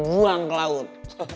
buang ke laut